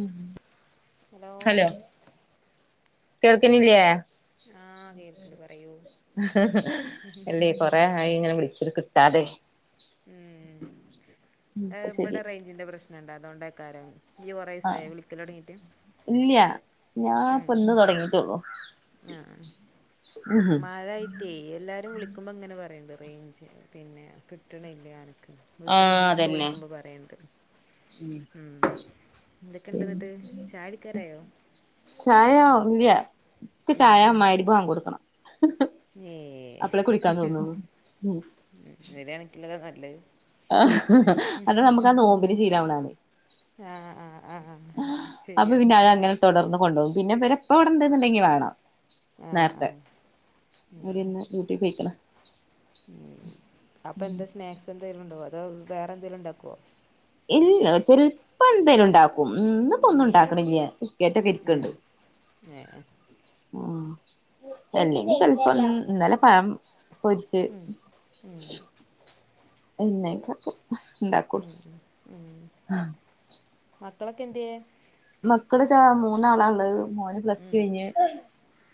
മ് ഹലോ കേൾക്ക്ണില്ലേ ആ കേക്ക്ണ്ട് പറയൂ ഹ് ഹ് അല്ലേ കൊറേ ആയിങ്ങനെ വിളിച്ചിട്ട് കിട്ടാതെ മ് ഉം ഇപ്പ ശരി അത്ഇബടെ റേഞ്ചിന്റെ പ്രശ്നണ്ട് അതോണ്ടേക്കാരവ് യ്യ് കൊറേയിസായോ വിളിക്കലൊട്ങ്ങീട്ട് ല്ല്യാ ഞാപ്പന്ന് തൊട്ങ്ങീട്ടൊള്ളൂ ആ മഴയ് റ്റീ എല്ലാരും വിളിക്കുമ്പോ ഇങ്ങനെ പറയ്ണ്ട് റെയിഞ്ച് പിന്നെ കിട്ട്ണില്ലൃ ൻക്ക് വീട്ട്ന്ന് ആഹ് മ്മക്കെ അതന്നെ വിളിക്കുമ്പോ പറീണ്ട് മ് ന്തൊക്കെ ഇണ്ട്ന്നട്ട് ചായൊടിക്കാറായോ ചായ ഔല്ലൃ ക്ക് ഉം ചായ മഗ്രിബ് ബാങ്ക് കൊടുക്കണം ഹെ ഹെ ഏഹ് അപ്പളെ കുടിക്കാൻ തോന്നൊള്ളൂ മ് ഒര് കണക്കിന് അതാ നല്ലേത് അ ഹ ഹാ അതാമക്ക് ആ നോമ്പിന് ശീലാവ്ണാണേ ആ ആ ആഹാ ശെരിയാണ് തൊടൊർന്ന് കൊണ്ടോവും പിന്നെ ഇബരെഇപ്പവിടെണ്ട്ന്നുണ്ടെങ്കിൽ വേണം ആഹ് ന്നേർത്തെ ആഹ് അവര്ന്ന് പൂട്ടി പോയിക്ണ്. ഉം അപ്പൊ എന്താ സ്നാക്സ് എന്തെങ്കിലും ഉണ്ടോ അതോ വേറെ എന്തെങ്കിലും ഇണ്ടാക്കോ? ഇല്ല ചെൽപ്പൊ എന്തേലും ഇണ്ടാക്കും ഇന്ന് ഇപ്പൊ ഒന്നുണ്ടാക്കിണില്ല ഉം ബിസ്ക്കേറ്റൊക്കിരിക്ക്ണ്ട്. ഏ അല്ലെങ്കി ചെലപ്പം ഇന്നലെ പഴം പൊരിച്ച്. ഉം എന്നാ അയിക്കോട്ടെ ഉം ഉ ഉം ആഹ മക്കളൊക്കെ എന്ത്യെ മക്കള് ഇതാ മൂന്നാളാ ഇള്ളത് മോന് പ്ലസ് ടു ഉം കഴിഞ്ഞ്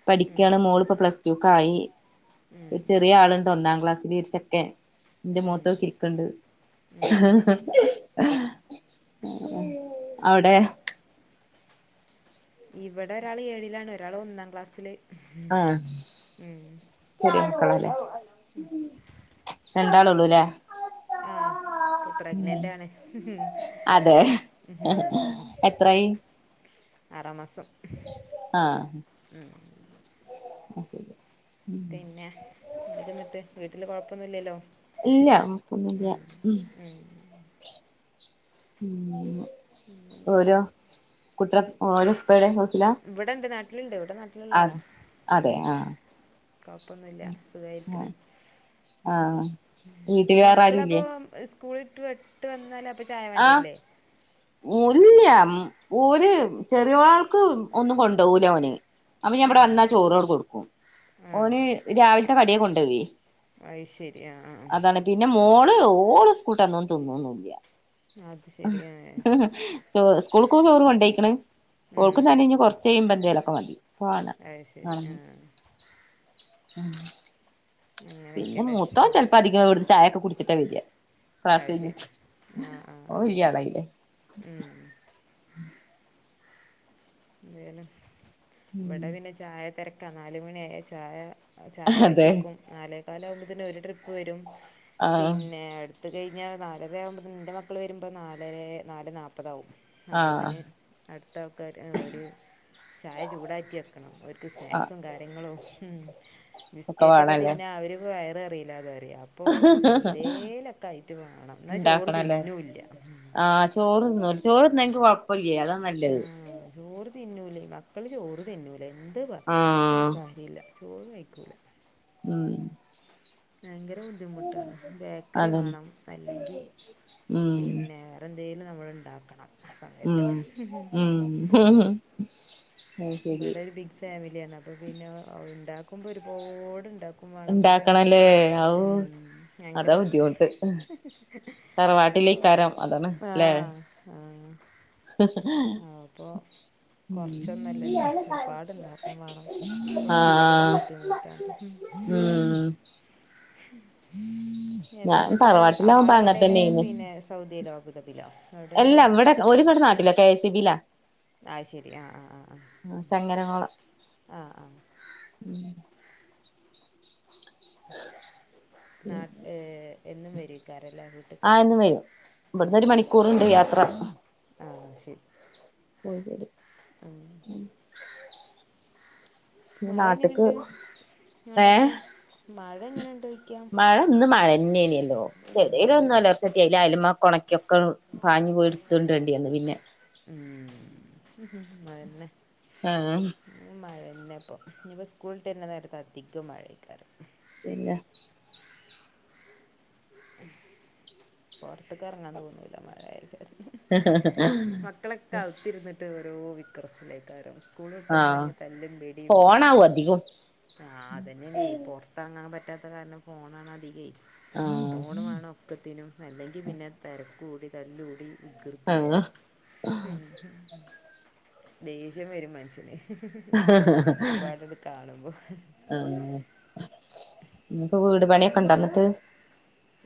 പഠിക്കുകയാണ് മോള് ഇപ്പോ പ്ലസ്. റ്റൂക്കായി ഉം ഒരു ചെറിയ ആള്ണ്ട് ഒന്നാം ക്ലാസ്സിൽ ഒര് ചെക്കൻ. ഇന്റെ ഉം മോത്തോക്കിരിക്കണ്ട്. ഉം അവിടെ? ഇവിടെ ഒരാള് ഏഴിലാണ് ഒരാള് ഒന്നാം ക്ലാസ്സില് ആഹ് ഉ ചെറിയ മക്കളാല്ലേ രണ്ടാളൊള്ളൂല്ലേ ആഹ ഇപ്പം പ്രഗ്നന്റ് ആണ്. ഉ അതെ ഉം എത്രായി ആറാം മാസം. ആഹ അയ് ശെരി. പിന്നെ എന്തൊക്കെന്നിട്ട് വീട്ടില് കൊഴപ്പൊന്നുല്ലല്ലോ. ഇല്ല കൊഴപ്പൊന്നില്ല ഉം ഉം പിന്നെന്താ ഓരോ. കുട്ട്യാളെ ഓലെ ഇപ്പെവിടെ ഗൾഫിലാ? ഇവിടെണ്ട് നാട്ടില്ണ്ട് ഇവിടെ നാട്ടിലുള്ള ആളാ അതെ അതെ ഉം ആഹ് കൊഴപ്പൊന്നുല്ല സുഖായിരിക്ക്ണ്. ആഹ് ആഹ് വീട്ടില് ഇനി വേറെ മക്കളപ്പൊ ആരുല്ലേ സ് സ്കൂളി ടു ട്ട് വന്നാല് അപ്പം ചായ വാണ്ടി വരില്ലേ? -ല്ല ഓര് ചെറിയാൾക്ക് ഒന്നും കൊണ്ടോവൂല ഓന്. അപ്പ ഞാൻ ഇവിടെ ആഹ് വന്നാ ചോറട് കൊടുക്കും ഓന് രാവിലത്തെ കടിയാ കൊണ്ടോ വെയ്. അയ് ശരി ആഹ് ആഹ് അതാണ് പിന്നെ മോള് ഓള് സ്കൂളിട്ട് വന്നാ ഒന്നും തിന്നൊന്നില്ല. അത് ശരി ആഹ് ചോ സ്കൂൾക്ക്‌ ഓള് ചോറ് കൊണ്ടേയ്ക്ക്ണ്. ഓൾക്കും ഉം തന്നെ ഇഞ്ഞി കൊറച്ചയുമ്പം എന്തേലൊക്കെ മതി ഇപ്പ വാണ്ട. അത് ശരി ആഹ് ഉം പിന്നെ അങ്ങനെയൊക്കെല്ലേ മൂത്തോൻ ചെലപ്പോ അധികം അവിടുന്ന് ചായയൊക്കെ കുടിച്ചിട്ടാ വെര. ക്ലാസ്സ്‌ അത് ശരി കഴിഞ്ഞിട്ട് ആഹ് ആഹ് ഓൻ ആഹ് വെല്യ ആളായിലെ ഉം എന്തേലും ഇവിടെ പിന്നെ ചായ തെരക്കാ നാലുമണിയായ ചായ. ചായ ഇണ്ടാക്കി അതെ വെക്കും നാലേക്കാല് ആകുമ്പോത്തിന്ന് ഒരു ട്രിപ്പ് വരും ആഹ് പിന്നെ അടുത്ത്. അത്‌ കഴിഞ്ഞാൽ നാലര ആകുമ്പോൾ ഇന്റെറെ മക്കൾ വരുമ്പോൾ നാലര നാല് നാല്പ്പതാകും ആഹ് അപ്പോത്തിന്. അടുത്ത ആൾക്കാര്. ഓര് ചായ ചൂടാക്കി വെക്കണം ഓര്ക്ക്‌ ആഹ് സ്നാക്സും കാര്യങ്ങളും. ഒക്കെ ബിസ്ക്കറ്റൊക്കെ വേണല്ലേ തിന്നാ അവര് വയറ് നെറയില്ല പറയും. അപ്പൊ എന്തേലൊക്കെ ആയിട്ട് വേണം എന്നാ ചോറ് തിന്നുല്ല. ചോറ് തിന്നുല ചോറ്ന്നാ ഇന്കി കുഴപ്പമില്ല അതാണ്. ആ ചോറ് തിന്നൂലെ മക്കള് ചോറ് തിന്നൂല എന്ത് പറഞ്ഞിട്ടും ആഹ് കാര്യല്ല ചോറ് കഴിക്കൂല. ഉം ഭയങ്കര ബുദ്ധിമുട്ടാണ് ബേക്കറി അതന്നെ വാണം അല്ലെങ്കിൽ ഉം പിന്നെ. അ എന്തേലും നമ്മൾ ഉണ്ടാക്കണം ആ സമയത്ത് ഒക്കെ മ് മ് ഇബടെ ഒരു ബിഗ് ഫാമിലിയാണ് അപ്പൊ പിന്നെ ഇണ്ടാക്കുമ്പോ ഒരുപാടിണ്ടാക്കും ക്കും വാണം അപ്പൊ പിന്നെ ഉണ്ടാക്കണല്ലേ ഔ ഉ ഭയങ്കര റിസ്ക്കാ തറവാട്ടിലയ്ക്കാരം അതാണ്ലേ ആഹ് ആഹ് അപ്പോ കൊർച്ച് ച്ചൊന്നല്ലല്ലോ ഒരുപാടുണ്ടാക്കും വേണം അപ്പൊ ഭയങ്കര ആഹ് ബുദ്ധിമുട്ടാണ് ഉം ഉം ഞാൻ തറവാട്ടിലാകുമ്പോ ആളെവിടെയാണ് അങ്ങൻത്തന്നേയ്ന്നു പിന്നെ സൗദിയിലോ അബുദാബിയിലോ എവിടെയാണ് എല്ലാ ഇവിടെ ഓര് ഇവിടെ നാട്ടിലാ കെ സി ബി യിലാ അയ് ശരി ആഹ് ആഹ് ആഹ് ആഹ് ഉം ആഹ് ആഹ് ഉം. നാട്ട് എന്നും വെരുഅയ്ക്കാരംലേ വീ ആഹ് എന്നും വരും ഇവിടുന്ന് ഒരു മണിക്കൂറുണ്ട് യാത്ര ആഹ് ശരി പോയി വരും ഉം ഇനി മഴ നാട്ട്ക്ക് എങ്ങനെണ്ട് അങ്ങണ്ടൊക്കെ മഴ എങ്ങനെണ്ട് ചോയ് മഴന്ന് മഴന്നേയ്ന്നല്ലോ എടേലൊന്നൊലർ ച്ചട്ടി അയ്ല് അയ്‌ല്മ്മെക്കൊണക്കി ഒക്കെ പാഞ്ഞു പോയെടുത്തൊണ്ട്രാണ്ടിവന്നു പിന്നെ ഉം അതന്നെ ആ ആഹ് മഴന്നെ ഇപ്പോ ഇനിയിപ്പോ സ്കൂൾട്ട് വര്ന്നെ നേരത്തെ അധികം മഴയ്ക്കാരം പിന്നെ പൊർത്ത്ക്കെറങ്ങാൻ തോന്നൂല്ലാ മഴയായത് കാരണം മക്കളൊക്കെ അകത്തിരുന്ന്ട്ടൊ ട്ടോരൊ വിക്രസിലായിക്കാരം സ്കൂള് വിട്ട് വന്നാ ആഹ് ഇഞ്ഞി തല്ലും പിടിയും ഫോണാവും അധികും ആ അതന്നേണേ പൊർ ത്തർങ്ങാൻ പറ്റാത്ത കാരണം ഫോണാണ് അധികെയ് ആഹ് ഫോൺ വേണം ഒക്കത്തിനും അല്ലങ്കി പിന്നെ തെരക്ക് കൂടി തല്ലൂടി കൃതിം ആഹ് പിന്നെ ദേഷ്യം വരും മനുഷ്യന് ഒക്കപ്പാടെണ്ട് കാണുമ്പോ ആഹ് ഇനിപ്പോ വീട് പണിയൊക്കെണ്ടോന്നിട്ട്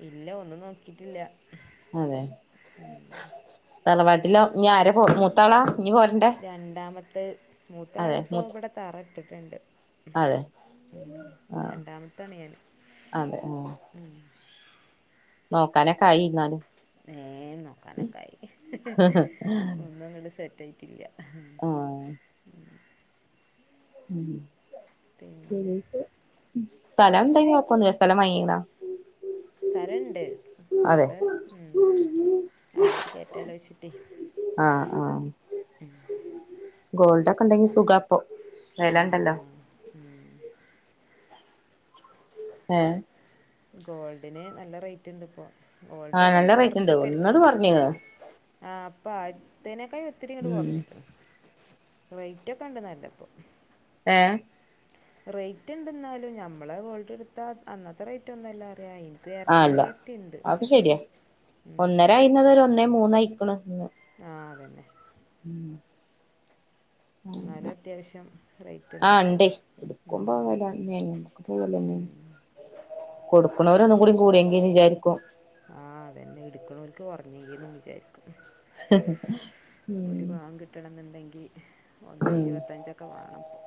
ഇല്ല ഒന്നും നോക്കിട്ടീല്ല അതെ തറവാട്ടിലോ ഇനി ആരെ പോ മൂത്താളാ ഇനി പോ രണ്ടാമത്തെ അതെ മൂത്താളിപ്പോ മൂ ഇവിടെ തറ ഇട്ടിട്ടുണ്ട് അതെ ആഹ് രണ്ടാമത്തേണ് ഞാന് അതെ നോക്കാനൊക്കായിന്നാലും ഏ നോക്കാനൊക്കായി ഒന്നും അങ്ങട് സെറ്റ് റ്റായിറ്റില്ലാ ആഹ് ഉം പിന്നെ പിന്നെപ്പോ ഉം സ്ഥലം ണ്ടെങ്കി കൊയ്പ്പൊന്നുല്ല്യാ സ്ഥലം വാങ്ങീക്ക്ണാ സ്ഥലണ്ട് പ്പൊ അതെ അവിടെ ഉം അവിടെ കേ ട്ട്യാലോ വെച്ചിട്ടേ ആഹ് ആഹ് ഗോൾഡൊക്കെണ്ടെങ്കി സുഖാ പൊ ആഹ് സ്ഥലണ്ടല്ലോ ആഹ് ഉം ഏഹ് ഗോൾഡിന് നല്ല റേറ്റ് ഇണ്ട് ഇപ്പോ ആഹ് ഗോൾഡൊക്കെ നല്ല ഇണ്ട് റേറ്റ് ഉണ്ട് കൊറച്ചൊക്കെ ഒന്നട് ഇരിക്ക്ണ്ട് കൊറഞ്ഞിക്ക്ണ് ആഹ് പ്പൊ ആദ്യത്തിനേക്കാൾ ഇത്തിരി ഉം കൊറഞ്ഞ്ക്ക്ണ് റേറ്റ് ഒക്കെണ്ട് നല്ല ഇപ്പൊ ഏഹ് റേറ്റ് ഇണ്ട്ന്നാലും ഞമ്മളെ ഗോൾഡ് എടുത്താ അന്നത്തെ റേറ്റ് ഒന്നല്ല അറിയാ. ആഹ് അല്ല ഇരട്ടിമലരട്ടിണ്ട് അതൊക്കെ ഉം. ന്നെ മൂന്നായിക്കണ്. ആഹ് അതന്നെ. ഉം. എന്നാലും അത്യാവശ്യം റേറ്റ് ഉണ്ട് ആഹ് ഇപ്പോഴും ഇണ്ടേ ഇടുക്കുമ്പോ പോകലന്നേണ് പോവലന്നണ്. കൊടുക്കുണോര് ഒന്നും കൂടി കൂടിയങ്കിന്ന് വിചാരിക്കും. ആഹ് അതന്നെ എടുക്ക്ണോര്ക്ക് കൊറഞ്ഞങ്കീന്നും വിചാരിക്കും. ഒരു ഉം പവൻ കിട്ടണം എന്ന് ഇണ്ടെങ്കി ഒന്നെ ഉം ഇരുപത്തഞ്ചൊക്കെ വാണം ഇപ്പൊ.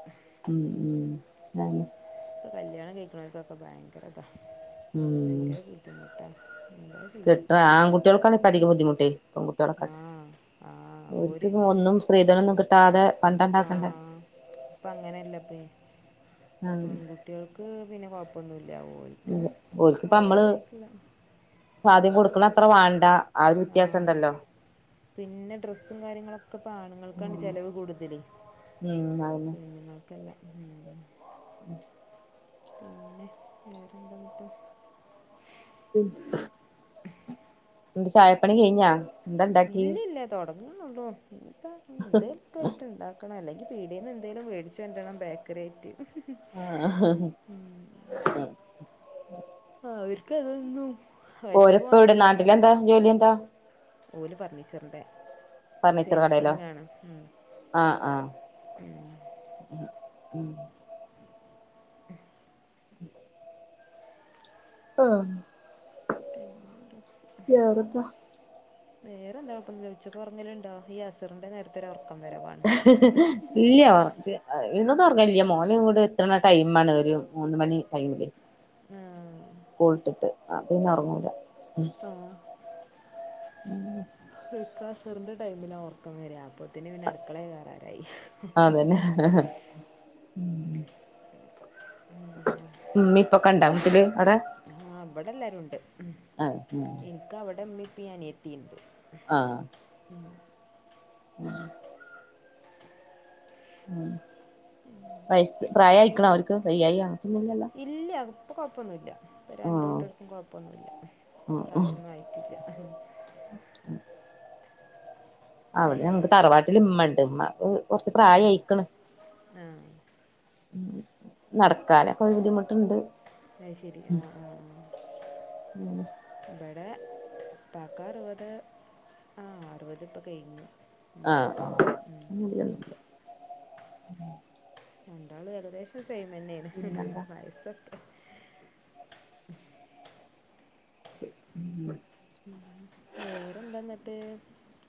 ഉം ഉം ആഹ്. ഇപ്പ കല്യാണം കഴിക്കണ ഓര്ക്ക് ഒക്കെ ഭയങ്കര ഇതാ ഭയങ്കര ബുദ്ധിമുട്ടാണ് എന്താ ചെയ്യുക ക്കിട്ടണ ആൺ കുട്ടിക്കാണ് ഇപ്പൊ അധികം ബുദ്ധിമുട്ടെ. ആ പെൺകുട്ടിയോളെക്കാട്ടിം ആ ഒരു ഓർക്ക്പ്പ ഒന്നും സ്ത്രീധനൊന്നും കിട്ടാതെ പണ്ട ണ്ടാക്കണ്ടേ. ഇപ്പ അങ്ങനെല്ല ഇപ്പൊ ആഹ് പെൺ കുട്ടിയാൾക്ക് പിന്നെ കൊഴപ്പൊന്നുല്ല ഓ ഓൽക്കിപ്പ നമ്മള് സാധ്യം കൊടുക്കണ അത്ര വാണ്ട ആ ഒരു വ്യത്യാസം ഉണ്ടല്ലോ. പിന്നെ ഡ്രസ്സും കാര്യങ്ങളൊക്കെ ഇപ്പ ആണുങ്ങൾക്കാണ് ചെലവ് കൂടുതൽ ഉം പിന്ന ക്കല്ല ഉം. ഉം. പിന്നെ വേറെന്താ അന്നിട്ട് ഉം. നിന്റെ ചായപ്പണി കെയിഞ്ഞാ? ഇല്ലില്ല തുടങ്ങണൊള്ളൂ ഇപ്പ ണ്ട് ക്കായിട്ട് ഇണ്ടാക്കണം അല്ലെങ്കി പീടീയെന്ന് എന്തെലും വേടിച്ചു കൊണ്ടണം ബേക്കറി ആയിട്ട്. ആഹ് അവർക്ക് അതൊന്നും വെശപ്പ് ഓരപ്പ എവിടെ മാറൂലാന്ന് പറിം. നാട്ടിലെന്താ ജോലി എന്താ? ഓല് ഫർണിച്ചറിന്റെ ഫർണിച്ചർ കടയിലോ സെയിൽസിങ്ങാണ് ഉം. ഉം. ആഹ്. പിന്നെ യാറപ്പ. നേരെ എന്താ ഇപ്പന്ത ഉച്ചക്ക് ഒർങ്ങലിണ്ടാ ഈ അസറിന്റെ നേരത്തെൊ ഒരു ഒറക്കം വരും ഇല്ല്യ ഒറക്ക് ഇന്നോന്നും ഉറങ്ങലില്ല മോന് ഇവിടെ എത്തണ ടൈം ആണ് ഒരു മൂന്ന് മണി ടൈമില്. ഹാ. സ്കൂളിട്ടിട്ട് ആ പിന്നെ ഒറങ്ങൂല. ഉം. എനിക്കാണെ അസറിന്റെ ടൈമില ഒർക്കം വര അപ്പോത്തിന് പിന്നെ അടുക്കളെ കേറാനായി. അതന്നെ ഇമ്മിം ഇപ്പൊക്കെ ഇണ്ടാ വീട്ടില് ആടെ. ആഹ് ഇബടെ എല്ലാരും ഇണ്ട് ഇൻക്ക് അവിടെ ഇമ്മിപ്പിം അനിയത്തിണ്ട്. ആഹ്. ഉം. ഉം വയസ്സ് പ്രായായിക്ക്ണോ അവർക്ക് വെയ്യായി ഒന്നുല്ലലോ. ഇല്ല ഇപ്പ കൊഴപ്പന്നുല്ല ഇപ്പ ആഹ് രണ്ടൂട്ടർക്കും കൊഴപ്പന്നുല്ല ഉം ഉം പ്രായൊന്നും ആയി ട്ടില്ല. അവിടെ ഞങ്ങക്ക് തറവാട്ടിൽ ഇമ്മണ്ട് ഇമ്മാക്ക് കൊറച്ച് പ്രായയിക്ക്ണ്. ആ നടക്കാനൊക്കൊരു ബുദ്ധിമുട്ട്ണ്ട് അത് ശെരി ആ ആ ആ ഇവിടെ പ്പാക്ക് അറുപത് ആ അറുപത് പ്പൊ കയ്ഞ് ആഹ് ഉമ്മാക്ക് ആഹ് ഉം [inaudible] രണ്ടാളും ഏകദേശം സെയിമെന്നേണ് എന്താ വയസ്സൊക്കെ [inaudible] ഉം വേറെന്താന്ന്ട്ട്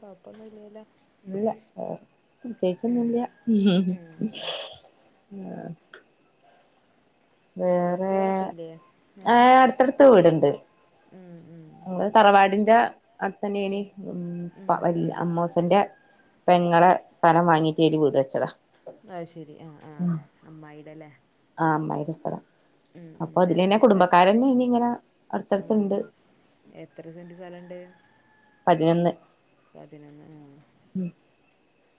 കൊയ്പ്പൊന്നുല്ലല്ലോ ഇല്ല പ്രത്യേകിച്ചൊന്നുല്ല ഉം ആ വേറെ അയൽവാസികളൊക്കെല്ലേ ങ്ങക്ക് ഏഹ് അടുത്തടുത്ത് ഉം ഉം അത് തറവാടിന്റെ അടുത്തെ ന്നെണി ഉം ഉം വെ ഉം അമ്മോസൻ്റെ പെങ്ങളെ സ്ഥലം വാങ്ങിറ്റോല് വീട് വെച്ചതാ അത് ശെരി ആ ആ അമ്മായിടല്ലേ ആ അമ്മായിടെ സ്ഥല ഉം അപ്പൊ ത് എത്ര ലെന്നെ സ്ഥലം കുടുംബക്കാരന്നെനിങ്ങനെ അട്ത്തട്ത്ത്ണ്ട് ആഹ് എത്ര സെന്റ് സ്ഥലണ്ട് പതിനൊന്ന് പതിനൊന്ന് ആ ഉം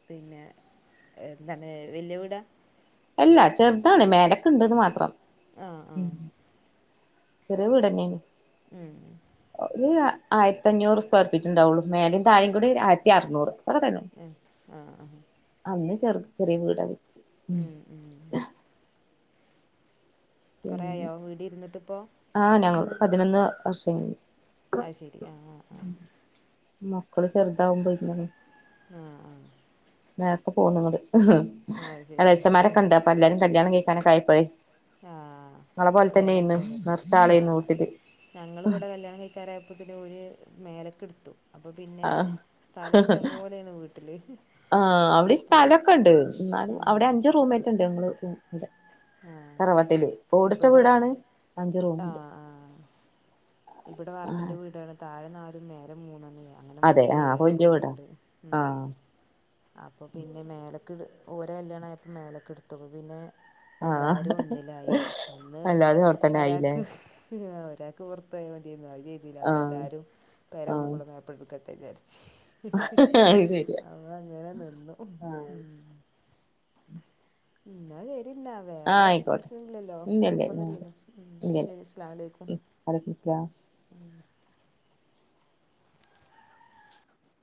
പിന്നെ എന്താണ് വെല്യ വീടാ അല്ല ചെർതാണ് മേലക്ക്ണ്ട്ന്ന് മാത്രം ആഹ് ആഹ് ചെറിയ വീടന്നേണ് ഉം ഒരു ആയിരത്തി അഞ്ഞൂറ് സ്ക്വയർ ഫീറ്റ്ണ്ടാവുള്ളൂ മേലേം താഴെ കൂടി ആയിരത്തി അറുന്നൂറ് [inaudible] ഉം ആ ആ അന്ന് ചെർ ചെറിയ വീടായി- ഉം ഉം കൊറായോ വീട് ര്ന്ന്ട്ട് പ്പോ ആ ഞങ്ങള് പതിനൊന്ന് വർഷയ്ഞ് അത് ശെരി ആ ആ ആ മക്കൾ ചെർതാവുമ്പോ ഇര്ന്ന്ണ് ആ ആ നേരത്ത് പോന്ന് ങ്ങള് ആഹ് അത് ശരി ഇളേച്ചമ്മാരൊക്കെണ്ട് അപ്പൊ എല്ലാരും കല്യാണം കയ്ക്കാനൊക്കായപ്പഴേ ആ വേഗം പോന്നു ല്ലെ നേർത്ത ആ ആളായിരുന്നു വീട്ടില് ഞങ്ങൾവടെ കല്യാണം കഴി- പ്പെരായപ്പത്തിനോല് മേലക്ക്ട്ത്തു അപ്പൊ പിന്നെ ആഹ് സ്ഥലം ഇഷ്ടം പോലെണ് വീട്ടില് ആ അവിടെ അപ്പൊ സ്ഥലൊക്കെണ്ട് എന്നാലും ഉം അവിടെ അഞ്ച് റൂമേറ്റ്ണ്ട് ഞങ്ങള് കൂടെ ആഹ് തറവാട്ടില് ഓടിട്ട ഇവിടെ വീടാണ് അഞ്ച് റൂമ്ണ്ട് ആഹ് ആഹ് ഇവിടെ വാർപ്പിന്റെ വീടാണ് താഴെ നാലും മേലെ മൂന്നെന്നെയാ അങ്ങനെ അതെ മൊത്തം ആഹ് ഏഴ് വല്യ വീടാ റൂമ്ണ്ട് ആഹ് ഉം അപ്പൊ പിന്നെ മേലക്ക് ഓരെ കല്യാണായപ്പോ മേലക്ക് ട്ത്തു അപ്പോ പിന്നെ ആഹ് എല്ലാരും ഒന്നിലായി അന്ന് അല്ലാതെ അവിടെത്തന്നെ ആയില്ലേ ഒരാക്ക് ഒരാക്ക് തോർത്തെയാ മതിയെന്നു അത് ചെയ്‌തീല ഇപ്പൊ ആഹ് എല്ലാരും പെര ഒന്നും ആഹ് കൂടെ മേപ്ട്ട് എട്ക്കട്ടെ വിചാരിച് അത് ശരിയാ അതങ്ങനെ നിന്നു ഉം ആഹ് ഇന്നാ വെരിണ്ടാവും ആഹ് വേറെ ആയിക്കോട്ടെ വിശേഷൊന്നുല്ലല്ലോ ഇല്ലല്ല കൊഴപ്പൊന്നുല്ലല്ലോ ഇല്ലല്ല ഉം ശരി അസ്സലാമലേക്കും അലൈക്കും സ്ലാം [inaudible]